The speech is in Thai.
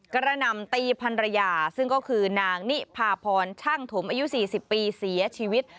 กระหน่ำตีพันรยาซึ่งก็คือนางนิพาพรช่างถมอายุ๔๐ปีเสียชีวิต